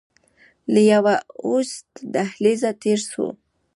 له يوه اوږد دهليزه تېر سو.